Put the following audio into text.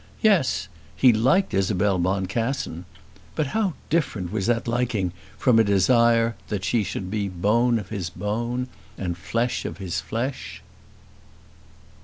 Yes, he liked Isabel Boncassen. But how different was that liking from a desire that she should be bone of his bone, and flesh of his flesh!